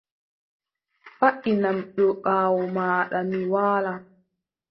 Waʼinam dow ɓaawo maaɗa mi waala.